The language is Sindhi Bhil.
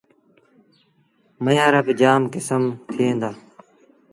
ميݩوهيݩ رآ با جآم ڪسم ٿئيٚݩ دآ۔